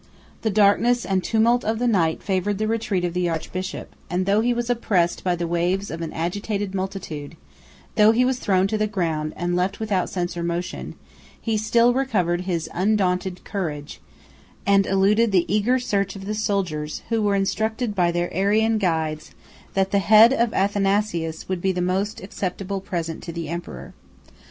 The darkness and tumult of the night favored the retreat of the archbishop; and though he was oppressed by the waves of an agitated multitude, though he was thrown to the ground, and left without sense or motion, he still recovered his undaunted courage, and eluded the eager search of the soldiers, who were instructed by their Arian guides, that the head of Athanasius would be the most acceptable present to the emperor.